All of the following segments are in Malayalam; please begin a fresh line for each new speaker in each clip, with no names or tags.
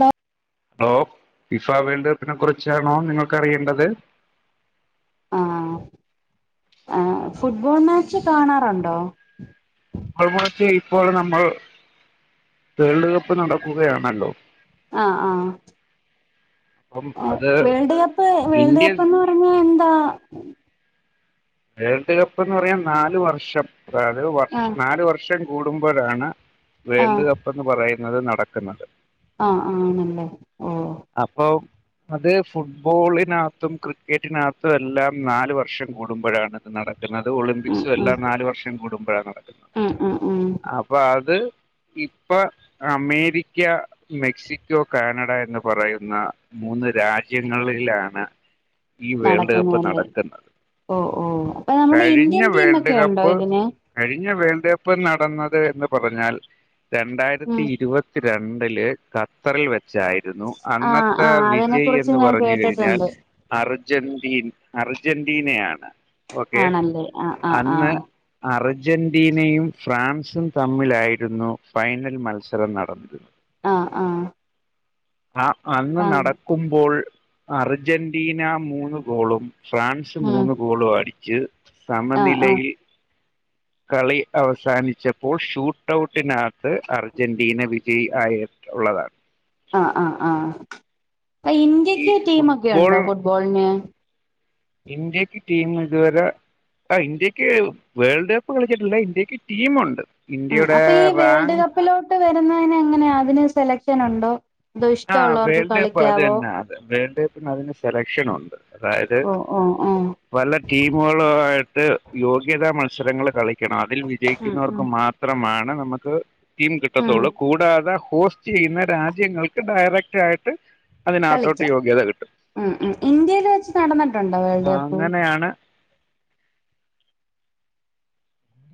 ഹലോ
ഹലോ ഫിഫ വേൾഡ് കപ്പിനെ കുറിച്ചാണോ നിങ്ങക്കറിയേണ്ടത്
ആഹ് ആഹ് ഫുട്ബോൾ മാച്ച് കാണാറുണ്ടോ
[unintelligible] ഇപ്പോൾ നമ്മൾ വേൾഡ് കപ്പ് നടക്കുകയാണല്ലോ
ആഹ് ആഹ്
അപ്പം
എ
അത്
വേൾഡ് കപ്പ് വേൾഡ്
ഇന്ത്യൻ
കപ്പെന്ന് പറഞ്ഞാ എന്താ
വേൾഡ് കപ്പ്ന്ന് പറയാ നാല് വർഷം അതായത് വർഷം
ആഹ്
നാല് വർഷം കൂടുമ്പോഴാണ്
ആഹ്
വേൾഡ് കപ്പെന്ന് പറയുന്നത് നടക്കുന്നത്
ആഹ് ആണല്ലേ ഓ
അപ്പോ അത് ഫുട്ബോളിനകത്തും ക്രിക്കറ്റിനകത്തും എല്ലാം നാല് വർഷം കൂടുമ്പോഴാണ് അത് നട ക്ക്ന്നത്
ഉം
ഒളിമ്പിക്സും
ഉം
എല്ലാം നാല് വർഷം കൂടുമ്പോഴാ നടക്കുന്നത്
ഉം ഉം ഉം
അപ്പൊ അത് ഇപ്പൊ അമേരിക്ക, മെക്സിക്കോ, കാനഡ എന്ന് പറയുന്ന മൂന്ന് രാജ്യങ്ങളിലാണ് ഈ വേൾഡ് കപ്പ്
നടക്കുന്നല്ലേ
നടക്കുന്നത്
ഓഹ് ഓഹ് അപ്പൊ നമ്മുടെ
കഴിഞ്ഞ
ഇന്ത്യൻ
വേൾഡ്
ടീമൊക്കെ ഉണ്ടോ
കപ്പ്
ഇതിന്
കഴിഞ്ഞ വേൾഡ് കപ്പ് നടന്നത് എന്ന് പറഞ്ഞാൽ
ഉം
രണ്ടായിരത്തി ഇരുപ ത്തി രണ്ടില് ഖത്തറിൽ വെച്ചായിരുന്നു
ആഹ്
അന്നത്തെ
ആഹ് അതിനെ
വിജയ്
കുറിച്ച്
എന്ന്
ഞാൻ
പറഞ്ഞു കഴിഞ്ഞാൽ
കേട്ടിട്ടുണ്ട്
അർജന്റീൻ അർജന്റീനയാണ് ഓക്കെ
ആണല്ലേ ആഹ് ആഹ്
അന്ന്
ആഹ്
അർജന്റീനയും ഫ്രാൻസും തമ്മിലായിരുന്നു ഫൈനൽ മത്സരം നടന്നിരുന്നത്
ആഹ് ആഹ്
ആഹ് അന്ന്
ആഹ്
നടക്കുമ്പോൾ അർജന്റീന മൂന്ന് ഗോളും ഫ്രാൻസ്
ഉം ആഹ്
മൂന്ന് ഗോളും അടിച്ച്
ആഹ്
സമനിലയിൽ കളി അവസാനിച്ചപ്പോൾ ഷൂട്ട ഔട്ടിനകത്ത് അർജന്റീന വിജയി ആയി ഉള്ളതാണ്
ആഹ് ആഹ് ആഹ് പ്പ
ഈ
ഇന്ത്യക്ക് ടീമൊക്കെ
ഫുട്ബോൾ
ഒണ്ടോ ഫുട്ബോൾന്
ഇന്ത്യക്ക് ടീം ഇത് വരെ ആ ഇന്ത്യക്ക് വേൾഡ് കപ്പ് കളിച്ചിട്ടല്ല ഇന്ത്യക്ക് ടീമൊണ്ട്
ഉം അപ്പീ വേൾഡ് കപ്പിലോട്ട് വരുന്നെയ്നെങ്ങനാ അതിന് സെലക്ഷനുണ്ടോ തോ ഇഷ്ട്ടൊള്ളവർക്ക് കളിക്കാവോ
വേൾഡ കപ്പിന് അതിന് സെലക്ഷനൊണ്ട് അതായത്
ഓ ഓ ഓ
പല ടീമുകളു ആയിട്ട് യോഗ്യതാ മത്സരങ്ങൾ കളിക്കണം അതിൽ
ഉം ഉം
വിജയിക്കുന്നവർക്ക് മാ ത്രമാണ് നമുക്ക് ടീം
ഉം
കിട്ടത്തൊള്ളു കൂടാതെ ഹോസ്റ്റ് ചെയ്യുന്ന രാജ്യങ്ങൾ [unintelligible] ഡയറക്റ്റായിട്ട് അതിനാത്തോട്ട്
കളിക്കാം
യോഗ്യത കിട്ടും
ഉം ഉം ഇന്ത്യയിൽ വെച്ച് നടന്നിട്ടുണ്ടോ വേൾഡ് കപ്പ്
അങ്ങനെയാണ്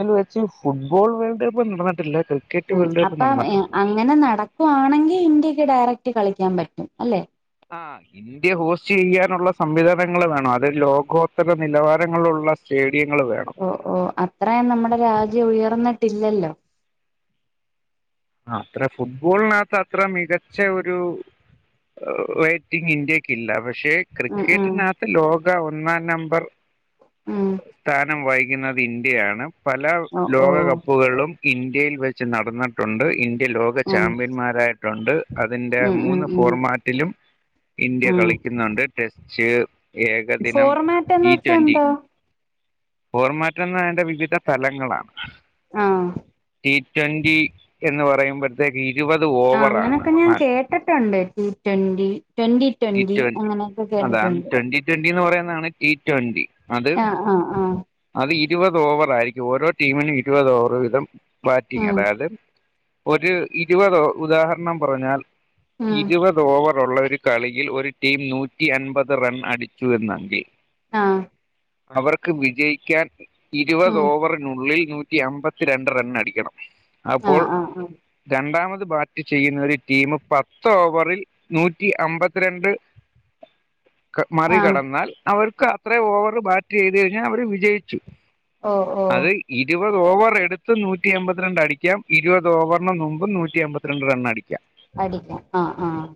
ന്നിൽ വെച്ച് ഫുട്ബോൾ വേൾഡ് കപ്പ് നടന്നിട്ടില്ല ക്രി
ഉം അപ്പ അങ്ങനെ നടക്കുവാണെങ്കി ഇന്ത്യക്ക് ഡയറക്ട് കളിക്കാൻ പറ്റും അല്ലെ
ആഹ് [unintelligible] ഇന്ത്യ ഹോസ്റ്റ് ചെയ്യാനുള്ള സംവിധാനങ്ങള് വേണം അത് ലോകോത്തര നിലവാരങ്ങളുള്ള സ്റ്റേഡിയങ്ങള് വേണം.
ഓഹ് ഓഹ് അത്രേം നമ്മുടെ രാജ്യം ഉയർന്ന്ട്ടില്ലല്ലോ
ആഹ് അത്രേം ഫുട്ബോൾനകത്ത് അത്രേം മികച്ച ഒരു റെയിറ്റിംഗ് ഇന്ത്യക്കില്ല പക്ഷെ
ഉം ഉം
ക്രിക്കറ്റിനാകത്ത് ലോക ഒന്നാം നമ്പർ
ആഹ്
സ്ഥാനം വൈകുന്നത് ഇന്ത്യയാണ് പല
ഓ ഓ
ലോകകപ്പുകളും ഇന്ത്യയിൽ വെച്ച് നടന്നുട്ടുണ്ട് ഇന്ത്യ ലോക
ഉം
ചാമ്പ്യന്മാരായിട്ടുണ്ട് അതിന്റെ
ഉം ഉം
മൂന്ന്
ഉം
ഫോർമാറ്റിലും ഇന്ത്യ
ഉം
കളിക്കുന്നുണ്ട് ടെച്ച് ഏകദിനം
ഫോർമാറ്റ് എന്ന്
ഈ
വെച്ചാ
റ്റൊന്റി
എന്താ
ഫോർമാറ്റന്നെ അതിൻ്റെ വിവിധ തലങ്ങളാണ്.
ആഹ്
ടി ട്വന്റി എന്ന് പറയുമ്പഴ് ഇരുപത് ഓവറാണ് ആ
ട്ടിട്ടുണ്ട് ട്വന്റി ട്വന്റി
ടി
ട്വന്റി
ട്വൻ
അങ്ങനൊക്കെ
അതാണ്
കേട്ടിട്ടുണ്ട്
ട്വന്റി ട്വന്റി ന്ന് പറയ്ന്നാണ് ഈ ട്വന്റി അത്
ആഹ ആഹ്
അത് ഇരുപത് ഓവറായിരിക്കും ഓരോ ടീമിനും ഇരുപത് ഓവറ് വീധം ബാറ്റിങ്ങ്
ഉം
അതായിത് ഒര് ഇരുപത് ഓ ഉദാഹരണം പറഞ്ഞാൽ
ഉം
ഇരുപത് ഓവറ് ഒള്ളൊര് കളിയിൽ ഒരു ടീം നൂറ്റി അൻപത് റൺ അടിച്ചു എന്നെങ്കി
ആഹ്.
അവർക്ക് വിജയിക്കാൻ ഇരുപത്
ഉം
ഓവർ നുള്ളിൽ നൂറ്റി അമ്പത്തി രണ്ട് റണ്ണ് അടിക്കണം
ആ
അപ്പോൾ
ആ ആ
രണ്ടാമത് ബാറ്റ് ചെയ്യുന്ന ഒരു ടീമ് പത്തോവറിൽ നൂറ്റി അമ്പത്രണ്ട്
[inaudible]
ക മറികടന്നാൽ അവർക്ക് അത്രെ ഓവറ് ബാറ്റെയ്ത് കഴ്ഞ്ഞാ അവര് വിജയിച്ചു.
ഓ ഓ
അത് ഇരുപതോവറെടുത്ത് നൂറ്റി അൺമ്പത്രണ്ട് അടിക്കാം ഇരുവത് ഓവർന് മുമ്പും നൂറ്റി അൺമ്പത്തിരണ്ട് റൺ അടി
പഠിക്കാം ആഹ് ആഹ്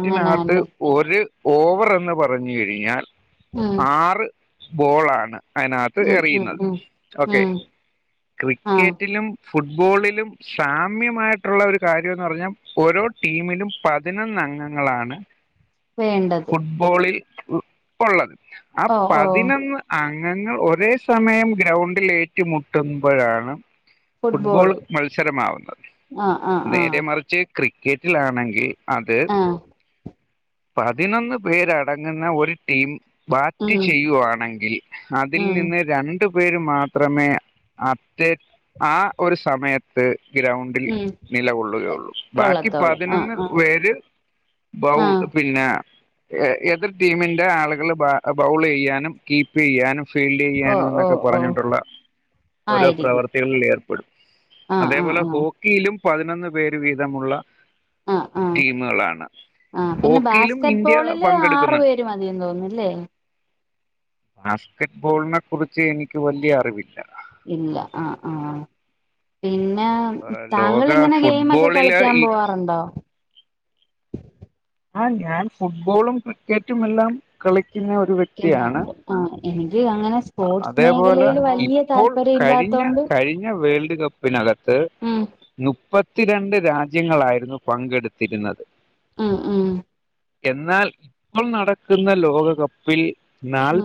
അങ്ങനാല്ലേ
ഒര് ഓവറെന്ന് പറഞ്ഞ് കഴിഞ്ഞാൽ
ഉം
ആറ് ബോളാണ് അയിനകത്ത്
ഉം ഉം
എറിയുന്നത്
ഉം
ഒക്കെ
ഉം ആ
ക്രിക്കറ്റിലും ഫുട്ബോളിലും സാമ്യമായിട്ടുള്ള ഒര് കാര്യംന്ന് പറഞ്ഞാ ഓരോ ടീമിലും പതിനൊന്ന അംഗങ്ങളാണ്
വേണ്ടത്.
ബോളിൽ ഇപ്പള്ളത് ആ
ഓ
പ
ഓ
ന്തിന് അംഗങ്ങൾ ഒരേ സമയം ഗ്രൗണ്ടിൽ ഏറ്റു മുട്ടുമ്പഴാണ് ഫുട്ബോൾ
ഫുട്ബോള്
മത്സരമാവുന്നത്
ആ ആ ആ
നേരെ മറിച്ച് ക്രിക്കറ്റിലാണെങ്കിൽ അത്
ആ
പതിനൊന്ന് പേരടങ്ങുന്ന ഒരു ടീം ബാറ്റ് ചെയ്
ഉം
ചെയ്യുവാണെങ്കിൽ അതിൽ
ഉം
നിന്ന് രൻ ണ്ട് പേര് മാത്രമേ അറ്റ ആ ഒരു സമയ ത്ത് ഗ്രൗണ്ടിൽ
ഉം
നിലകൊള്ളുകയൊള്ളൂ, ബാക്കി
കൊള്ളത്തോളൂ ആ
പതിനൊന്ന്
ആ
പേര്
ആ
ബൗപിന്നെ എ എതിർ ടീമിന്റെ ആളുകള് ബ ബൗളെയ്യാനും കീപ്പെയ്യാനും
ഓ
ഫീൽഡെയ്യാന്
ഓ
ന്നൊക്കെ
ഓ
പറഞ്ഞിട്ടുള്ള ഓരോ
ആയിരിക്കും
പ്രവർത്തികള്ൽ ഏർപ്പെടും
ആ
അതേ
ആ
പോലെ
ആ
ഹോ കിയിലും പതിനൊന്ന് പേര് വീതമുള്ള
ആ ആ
ടീമുകളാണ്
ആഹ് പിന്നെ
ഹോക്കിയിലും
ബാസ്കറ്റ്
ഇന്ത്യ
ബോളില് ആറു
പങ്കെടുക്കുന്ന
[unintelligible]
ബാസ്ക്കറ്റ് ബോള്നെ കുറിച്ച് എനിക്ക് വല്യ അറിവില്ല.
ഇല്ല ആഹ് ആഹ്. പിന്നെ
ലോക
താങ്കളിങ്ങനെ ഗെയിമക്കെ
ഫുട്ബോളില്
കളിക്ക്യാൻ
ഈ
പോവാറുണ്ടോ?
ആഹ് ഞാൻ ഫുട്ബോളും ക്രിക്കറ്റും എല്ലാം കളിക്കുന്ന ഒരു വ്യ
[unintelligible] ഉണ്ട് ആ എനിക്ക് അങ്ങനെ സ്പോർട്സ്
അതേപോലെ
മേഖലയിൽ വല്യ
ഇപ്പോൾ
താല്പര്യം
കഴിഞ്ഞ
ഇല്ലാത്തോണ്ട്.
കഴിഞ്ഞ വേൾഡ് ക പ്പിനകത്ത്
ഉം
നുപ്പത്തിരണ്ട് രാജ്യങ്ങളായിരുന്നു പങ്കെടുത്തിര്ന്നത്.
ഉം ഉം.
എന്നാൽ ഇപ്പം നടക്കുന്ന ലോകകപ്പിൽ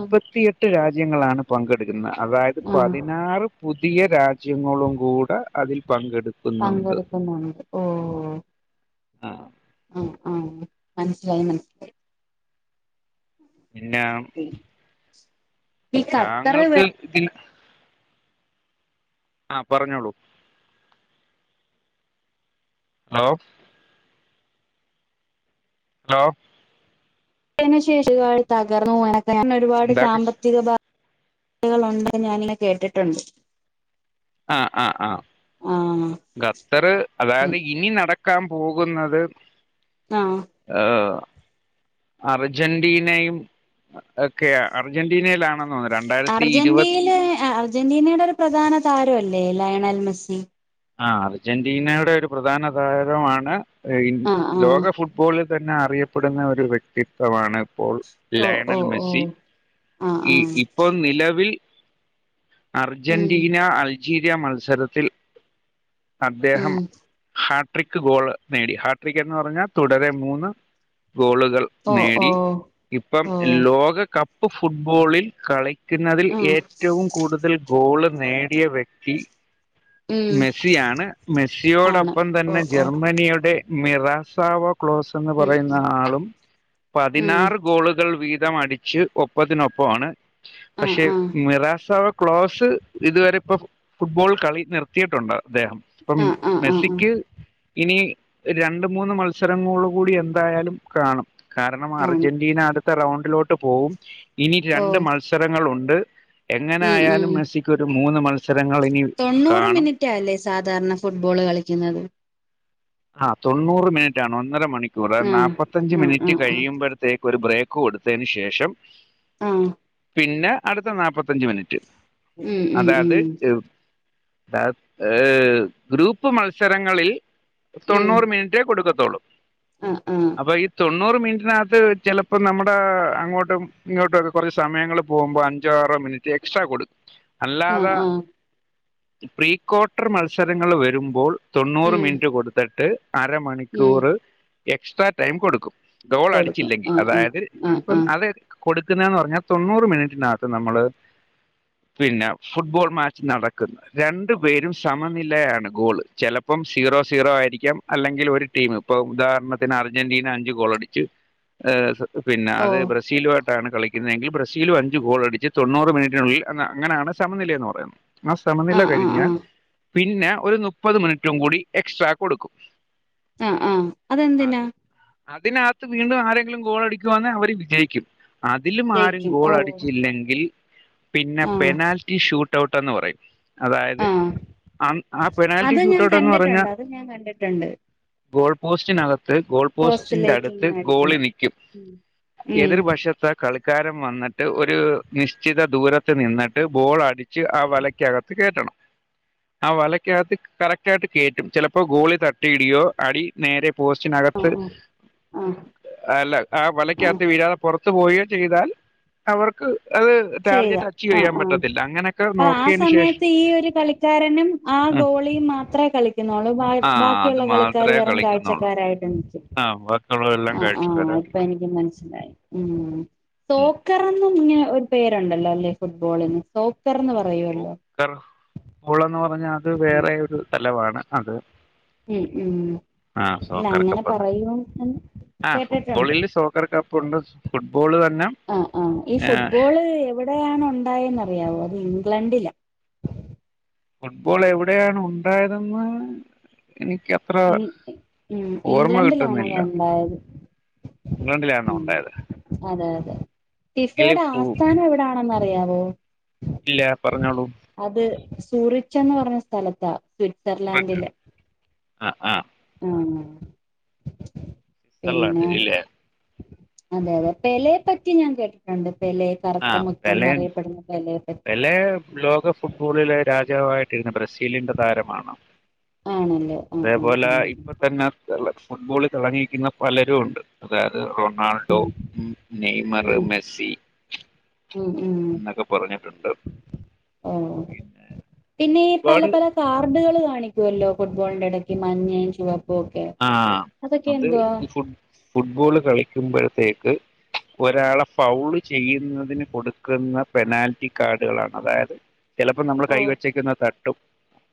ഉം
രാജ്യങ്ങളാണ്. പങ്കെടുക്കുന്ന അതായത്
ആഹ്
പതിനാറ് പുതിയ രാജ്യങ്ങളും കൂടെ അതിൽ പങ്കെടു
പങ്കെടുക്കുന്നുണ്ട് ഓഹ്.
ആഹ്
ആഹ് ആഹ് മന്സ്സിലായി മന
പിന്നെ.
ഉം.
താങ്കൾക്ക് ഇതി ആഹ് പറഞ്ഞോളൂ. ഹലോ. ഹലോ.
തിനു ശേഷ ഒരുപാട് തകർന്നൂ [unintelligible] ഒരുപാട്
എന്താക്ക്
സാമ്പത്തിക ബ കളുണ്ട് ഞാനി [unintelligible] കേട്ടിട്ടുണ്ട്.
ആഹ് ആഹ് ആഹ്.
ആഹ്
ഖത്തറ് അതായത് ഇനി നടക്കാൻ പോകുന്നത്.
ആഹ്
ഏഹ്. അർജന്റീനയും ഒക്കെയ അർജന്റീനയിലാണെന്നോന്ന്
അർജന്റീനെ എ അർജന്റീനയുടെ ഒരു പ്രധാന താരം അല്ലേ ലയണൽ മെസ്സി.
ആഹ് അർജന്റീനയുടെ ഒരു പ്രധാന താരമാണ് എ ഇ
ആഹ് ആഹ്
ലോക ഫുട് [unintelligible] ലെ തന്നെ അറിയപ്പെടുന്ന ഒരു വ്യക്തിത്വമാണ്. ഇപ്പോൾ
ഓ ഓ
ലയണൽ
ഓ
മെസ്സി
ആഹ്
ഇ
ആഹ്
ഈ അപ്പോൾ നിലവിൽ
ഉം
അർജന്റീന അൾജീരിയ മത്സരത്തിൽ. അദ്ദേഹം.
ഉം
ഹാട്രിക്ക് ഗോള് നേടി ഹാട്രിക് എന്ന് പറഞ്ഞാൽ തുടരെ മൂന്ന് ഗോളുകൾ.
ഓ ഓ
നേടി ഇപ്പം
ഓ
ലോക ക പ്പ് ഫുട്ബോളിൽ കളിക്കുന്നതിൽ
ഉം
ഏറ്റവും. കൂടുതൽ ഗോള് നേടിയ വ്യക്തി.
ഉം
മെസ്സിയാണ്
ആണ്
മെസ്സിയോടൊപ്പം
ഓ
തന്നെ
ഓ
ജർമ്മനിയുടെ മിറസാവോ ക്ലോസ്. [unintelligible] ന്ന്
ഉം
പറയുന്ന ആളും.
ഉം
പതിനാറ് ഗോളുകൾ വീതം അടിച്ച് ഒപ്പതിനൊപ്പമാണ്.
ആഹ്
പക്ഷേ
ആഹ്
മിറാസാവ ക്ലോസ് ഇതുവരെ ഇപ്പൊ ഫുട്ബോൾ കളി നിർ ത്തിയിട്ടുണ്ട് അദ്ദേഹം അപ്പം
ആഹ് ആഹ് ആഹ് ആഹ്
മെസ്സിക്ക്. ഇനി രണ്ട് മൂന്ന് മത്സരങ്ങള് കൂടി എന്തായാലും കാണും. കാരണം
കാണും
അർജെന്റീന അട്ത്ത റൗണ്ടിലോട്ട് പോവും ഇനി
ഓ
രണ്ട് മത്സരങ്ങളുണ്ട് എങ്ങനെ
ഉം
ആയാലും
ഉം
മെസ്സിക്കൊരു മൂന്ന് മത്സരങ്ങൾ ഇനി
ട്ട
കാണും
മിനിറ്റാ അല്ലേ സാധാരണ ഫുട്ബോള് കളിക്ക്ന്നത്
ആഹ് തൊണ്ണൂറ് മിനിറ്റാണ് ഒന്നര മണിക്കൂറ്
ആഹ്
നാപ്പത്തഞ്ച്
ആഹ്
മിനിറ്റ്
ആഹ്
കഴിയിമ്പഴ് ത്തേക്ക് ഒരു ബ്രേക്ക് കൊട്ത്തെന് ശേഷം
ആഹ്
പിന്നെ അട്ത്ത നാപ്പത്തഞ്ച് മിനിറ്റ്
ഉം ഉം
അതായത്
ഉം
എഴു ഗ്രൂപ്പ് മത്സരങ്ങളിൽ
ഉം
തൊണ്ണൂറ് മിനിറ്റേ കൊടുക്കത്തൊളൂ
ആഹ് ആഹ്
അപ്പ ഈ തൊണ്ണൂറ് മിൻറ്റിനകത്ത് ചെലപ്പാെ നമ്മടെ അങ്ങോട്ടും ഇങ്ങോട്ടുഒക്കെ കൊറച്ച് സമയങ്ങള് പോവുമ്പൊ അഞ്ചോ ആറോ മിനിറ്റ് എക്സ്ട്രാ കൊട്ക്കും
ആഹ്
അല്ലാതെ
ആഹ്
പ്രീക്വാർട്ടർ മത്സരങ്ങൾ വെരുമ്പോൾ തൊണ്ണൂറ്
ഉം
മിൻറ്റ് കൊടുത്ത്ട്ട്
ഉം
അരമണിക്കൂറ് എക്സ്ട്രാ ടൈം കൊട്ക്കും ഗോൾ
കൊടുക്കും
അടിച്ചില്ലെങ്കി
ആഹ് ആഹ്
അതായത്
ആഹ്
ഇപ്പം
ആഹ്
അത് കൊട്ക്ക്ന്നത്ന്ന് പറഞ്ഞാ തൊണ്ണൂറ് മിനിറ്റിനകത്ത് നമ്മള് പിന്നെ ഫുട്ബോൾ മാച്ച് നടക്ക്ന്ന് രണ്ടു പേരും സമനിലയാണ് ഗോള് ചെലപ്പം സീറോ സീറോ ആയി രിക്കാം അല്ലെങ്കിൽ ഒരു ടീമ് ഇപ്പൊ ഉദാഹരണത്തിന് അർജെന്റീന അഞ്ച്ഗോളടിച്ച് ഹ് സ് പിന്നാ
ഓ
അത് ബ്രസീലുവായിട്ടാണ് കളി ക്ക്ന്നെങ്കിൽ ബ്രസീലും അഞ്ച് ഗോൾ അടിച്ച് തൊണ്ണൂറ് മിന് റ്റിനുള്ളിൽ അന്ന അങ്ങനെയാണ് സമനിലയ എന്ന് പറയുന്നത് ആ സമനില
ആഹ് ആഹ്
കെഴിഞ്ഞാൽ
ആഹ്
പിന്നെ ഒരു നുപ്പത് മിന് റ്റും കൂടി എക്സ്ട്രാ കൊടുക്കും
ആഹ് ആഹ് അതെന്തിനാ
അത് അതിനകത്ത് വീണ്ടും ആരെങ്കിലും ഗോളടിക്കുവാന്ന് അവര് വിജയിക്കും അതിലും ആരും
ജയിക്കും
ഗോൾ
ഓ
അടിച്ചില്ലെങ്കിൽ പിന്നെ
ആഹ്
പെനാൽ ട്ടി ഷൂട്ട്ഔട്ട് എന്ന് പറയും അതായത്
ആഹ്
അൺ ആ പെനാൽറ്റി
അത്
ഷൂട്ട്
ഞാൻ
ഔട്ട് എന്ന് പറഞ്ഞാ
കണ്ടിട്ടുണ്ട് അത് ഞാൻ കണ്ട്ട്ട്ണ്ട്
ഗോൾ പോസ്റ്റിനകത്ത് ഗോൾ പോസ്റ്റിന്റെ
പോസ്റ്റിലേക്ക്
അട്ത്ത്
ഇങ്ങനെ
ഗോളി
അടിക്കുന്നു
നിക്കും
ഉം
എതിർ
ഉം
വഷത്ത് കളിക്കാരെം വന്ന്ട്ട് ഒരു നിശ്ചിത ദൂരത്ത് നിന്ന്ട്ട് ബോൾ അടി ച്ച് ആ വലക്യകത്ത് കേറ്റണം ആ വലക്യകത്ത് കറക്റ്റായിട്ട് കേറ്റും ചെലപ് പ്പൊ ഗോളി തട്ടിയിടിയോ അടി നേരെ പോസ്റ്റിനകത്ത്
ആഹ് ആഹ് ആഹ്
അല്ല ആ
ആഹ്
വലക്യകത്ത് വിഴാതെ പൊറത് ത്ത് പോയേ ചെയ്താൽ അവർക്ക് അത് ടാർഗറ്റ് അച്ചീവ് ചെയ്യാൻ പറ്റത്തില്ല അങ്ങ
അപ്പ ആ സമയത്ത് ഈ ഒരു കളിക്കാരനും ആ
ഉം.
ഗോളിയും മാത്രേ കളി ക്ക്ന്നൊള്ളൂ ബാ
ആ അത്
ബാക്കിയുള്ള കളിക്കാര്
മാത്രമേ
വെറും
കളിക്കുന്നുള്ളൂ
കാഴ്ചക്കാരായിട്ട് നിക്കും
ആ ബാക്കിയുള്ളതെല്ലാം
ആഹ്
കഴിച്ചു
ആഹ്
കരാട്ടെ
ഇപ്പ എനിക്ക് മനസ്സിലായി ഉം തോക്കറാെന്നും ഇങ്ങനെ ഒരു പേര് ഉണ്ടല്ലോ അല്ലേ ഫുട്ബോളിന് സോക്കർന്ന് പറ
സോക്കർ ബുൾ എന്ന് പറഞ്ഞാ അത്
ഉം
വേറെ ഒരു തലവാണ് അത്
ഉം ഉം.
ആഹ്
അല്ല
സോക്കർ
അങ്ങനെ
കപ്പ് എന്ന് ഒക്കെ പറയും
എന്ന്
ആഹ്
കേട്ടിട്ടുണ്ട്
ഫുട്ബോളില് സോ ക്കർ കപ്പുണ്ട് ഫുട്ബോള് തന്നെ
ആഹ് ആഹ് ഈ ഫുട്ബോള് എവ്ടെയാണ് ഉണ്ടായെന്നറിയാവോ അത് ഇംഗ്ലണ്ടിലാ
ഫുട്ബോൾ എവിടെയാണ് ഉണ്ടായതെന്ന് എനിക്ക
ഇൻ ഇ ഉം ഇംഗ്ലണ്ടിലാണത്
കിട്ടുന്നില്ല
ഒണ്ടായത്
ഇംഗ്ലണ്ടിലാണോ ഉണ്ടായത്
അതെ അതെ
എങ്കില്
ഫിഫയുടെ
ഫു
ആസ്ഥാനം എവിടാണെന്ന് അറിയാവോ
ഇല്ല പറഞ്ഞോളൂ
അത് സൂറിച്ചന്ന് പറഞ്ഞ സ്ഥലത്താ സ്വിറ്റ്സർലാൻഡിലെ
ആ ആ
ആഹ് പിന്നെ
സ്വിറ്റ്സർലാൻഡ് ഇല്ലേ
അതെ അതെ പെലയെ പറ്റി ഞാൻ കേട്ടിട്ടുണ്ട് പെലയെ
ആ
കറുത്ത മുത്ത്
പെലെ
എന്നറിയപ്പെടുന്ന പെലയെപ്പറ്റി
പെലെ ലോക ഫുട്ബോളിലെ രാജാവായിട്ടിരുന്ന ബ്രസീലിന്റെ താരമാണ്
ആണല്ലേ ആ ആ
അതേപോലെ
ആ
ഇപ്പ തന്നെ ഫുട്ബോളിൽ തിളങ്ങി നിക്കുന്ന പലരും ഉണ്ട് അതായത് റൊണാൾഡോ
ഉം
നെയ്മറ് മെസ്സി
ഉം
എന്നൊക്കെ പറഞ്ഞിട്ടുണ്ട്
ഉം
പിന്നെ
പിന്നെ ഈ പല
ഒരുപാട്
പല കാർഡുകള് കാണിക്കുമല്ലോ ഫുട്ബോളിന്റെ ഇടയ്ക്ക് മഞ്ഞയും ചുവപ്പും ഒ
ആഹ് അത് ഈ ഫുട് ഫുട്ബോള് കളിക്കുമ്പഴത്തേക്ക് ഒരാള് ഫൗള് ചെയ്യുന്നതിന് കൊടുക്കുന്ന പെനാൽറ്റി കാർഡുകളാണ് അതായത് ചിലപ്പോ നമ്മള്
ഓ
കൈ വച്ചേക്കുന്ന തട്ടും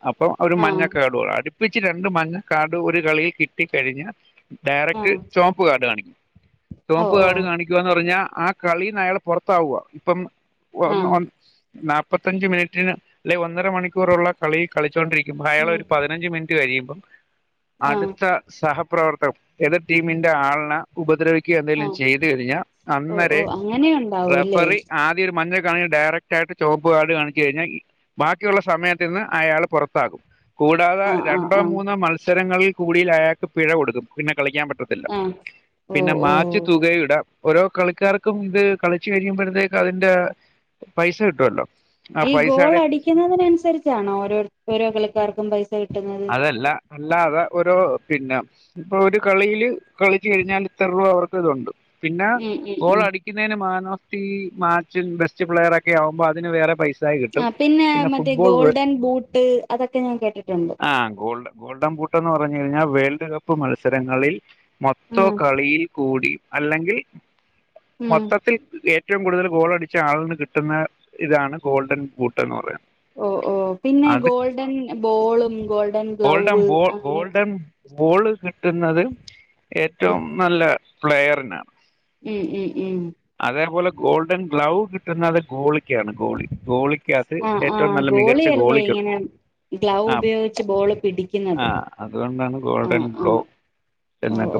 അപ്പൊ ഒരു
ആ
മഞ്ഞക്കാടുവാ അടു പ്പിച്ച് രണ്ട് മഞ്ഞക്കാർഡ്‌ ഒരു കളിയിൽ കിട്ടി കഴിഞ്ഞാ
ആ
ഡയറക്ട് ചൊവപ്പ് കാർഡ് കാണിക്കും
ഓ
ചൊവപ്പ്
ഓ
കാർഡ് കാണി ക്കുവാന്ന് പറഞ്ഞാ ആ കളീന്ന് അയാള് പുറത്താവുക ഇപ്പം
ആ
നാൽപ്പത്തഞ്ച് മിനിറ്റിന് അല്ലെങ്കിൽ ഒന്നര മണിക്കൂറുള്ള കളിയിൽ കളിച്ചോണ്ടിരിക്കുമ്പൊ
ഉം
അയാളൊരു പതിനഞ്ച് മി നിറ്റ് കഴിയുമ്പം
ആ
അടുത്ത സഹപ്രവർത്തകം ഏതിർ ടീമിന്റെ ആളിനെ ഉപദ്രവിക്കുക എന്തേലും ചെയ്ത് കഴിഞ്ഞാൽ അന്നേരേ
അങ്ങനെയുണ്ടോ
റെഫറി ആദ്യ ഒരു മഞ്ഞ കാണി ഡയറ ക്റ്റായിട്ട് ചൊവപ്പ് കാർഡ് കാണിച്ച് കഴിഞ്ഞാൽ ബാക്കിയുള്ള സമയത്ത് നിന്ന് അയാൾ പുറത്താകും കൂടാതെ
ആ ആ
രണ്ടോ
ആ
മൂന്നോ മത്സരങ്ങളിൽ കൂടി അയാൾക്ക് പിഴ കൊടുക്കും പിന്നെ കളിക്കാൻ പ റ്റത്തില്ല
ആ ഓ
പിന്നെ
ഓ
മാച്ച് തുകയുടെ ഓരോ കളിക്കാർക്കും ഇത് കളിച്ചു കഴിയുമ്പോഴത്തേക്ക് അതിന്റെ പൈസ കിട്ടുവല്ലോ
ഈ ഗോൾ അടിക്കുന്നതിന് അനുസരിച്ചാണോ ഓരോ ഓരോ കളിക്കാർക്കും പൈസ കിട്ടുന്നത്
അതല്ല അല്ലാതെ ഒരു പിന്നെ ഇപ്പൊ ഒരു കളിയില് കളിച്ച് കഴിഞ്ഞാൽ ഇത്ര രൂപ അവർക്ക് ഇതുണ്ട് പിന്നെ
ഉം ഉം ഉം
ഗോള് അടി ക്കുന്നതിന് മാൻ ഓഫ് ദി മാച്ചും ബെസ്റ്റ് പ്ലെയറും ഒക്കെ ആവുമ്പോ അതിന് വേറെ പൈസ
ആഹ് പിന്നെ മറ്റേ ഗോൾഡൻ ബൂട്ട് അതൊക്കെ ഞാൻ കേട്ടിട്ടുണ്ട്
ആഹ ഗോൾഡ ഗോൾഡൻ ബൂട്ടെന്ന് പറഞ്ഞ് കഴിഞ്ഞാൽ വേൾഡ് കപ്പ് മത്സരങ്ങളിൽ മൊത്ത
ഉം
കളിയിൽ കൂടി അല്ലെങ്കിൽ
ഉം
മൊത്തത്തിൽ ഏ ഏറ്റവും കൂടുതൽ ഗോളടിച്ച ആളിന് കിട്ടുന്ന ഇതാണ് ഗോൾഡൻ ബൂട്ട് എന്ന് പറയുന്നത്
ഓ ഓ പിന്നെ
അത്
ഗോൾഡൻ ബോളും ഗോൾഡൻ
ഗോൾഡൻ
ഗ്ലൗവ്
ബോ
അങ്ങനെ
ഗോൾഡൻ ബോള് കിട്ടുന്നത്
ഉം
ഏറ്റവും നല്ല പ്ലെയറിനാണ്
ഉം ഉം ഉം
അതേപോലെ ഗോൾഡൻ ഗ്ലൗ കിട്ടുന്നത് ഗോളിക്കാണ് ഗോളി ഗോളിക്ക് ഗോളിക്കകത്ത്
ആഹ്
ഏറ്റവും
ആഹ്
നല്ല
ഗോളി
മികച്ച
അല്ലേ ഇങ്ങനെ ഗ്ലൗ ഉപയോഗിച്ച് ബോള് പിടി
ആഹ് അതുകൊണ്ടാണ് ഗോൾഡൻ ഗ്ലൗ
ഓ
എന്നൊക്കെ
ഓ